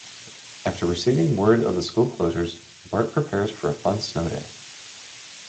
After receiving word of the school closures, Bart prepares for a fun snow day.